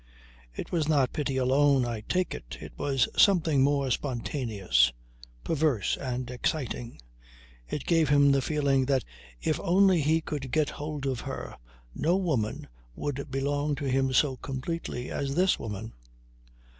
It was not pity alone, I take it. It was something more spontaneous, perverse and exciting. It gave him the feeling that if only he could get hold of her, no woman would belong to him so completely as this woman.